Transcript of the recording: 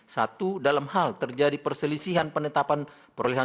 satu dalam hal terjadi perselisihan penetapan perolehan